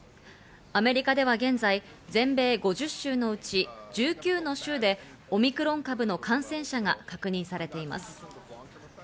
アメリカでは現在、全米５０州のうち１９の州でオミクロン株の感染者が確認されています。